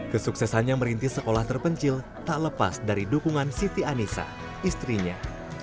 kesuksesannya merintis sekolah terpencil tak lepas dari dukungan siti anissa istrinya